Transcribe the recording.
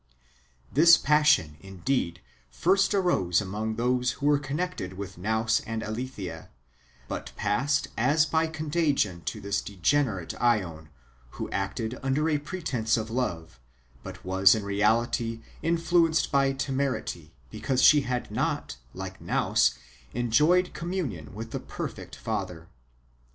This passion, indeed, first arose among those who were connected with Nous and Aletheia, but passed as by contagion to tliis degenerate iEon, who acted under a pretence of love, but was in reality influenced by temerity, because she had not, like Nous, enjoyed com munion with the perfect Father.